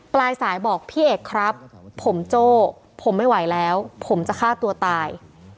ปลายสายบอกพี่เอกครับผมโจ้ผมไม่ไหวแล้วผมจะฆ่าตัวตาย